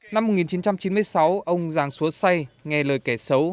năm một nghìn chín trăm chín mươi sáu ông giang sua say nghe lời kẻ xấu